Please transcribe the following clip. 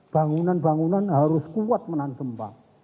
bangunan bangunan harus kuat menahan gempa